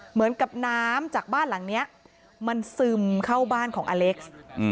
เหมือนกับน้ำจากบ้านหลังนี้มันซึมเข้าบ้านของอเล็กซ์